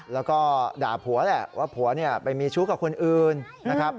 แล้วก็ด่าผัวแหละว่าผัวเนี่ยไปมีชู้กับคนอื่นนะครับ